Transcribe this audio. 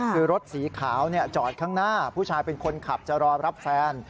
คือรถสีขาวจอดข้างหน้าผู้ชายเป็นคนขับจะรอรับแฟน